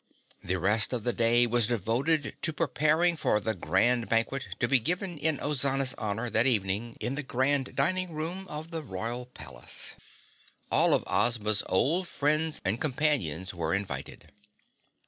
The rest of the day was devoted to preparing for the Grand Banquet to be given in Ozana's honor that evening in the Grand Dining Room of the Royal Palace. All of Ozma's old friends and companions were invited.